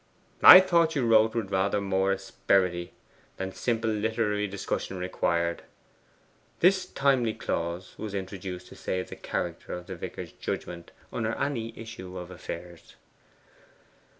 I thought you wrote with rather more asperity than simple literary discussion required.' This timely clause was introduced to save the character of the vicar's judgment under any issue of affairs.